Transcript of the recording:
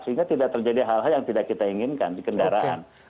sehingga tidak terjadi hal hal yang tidak kita inginkan di kendaraan